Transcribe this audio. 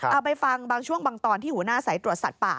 เอาไปฟังบางช่วงบางตอนที่หัวหน้าสายตรวจสัตว์ป่า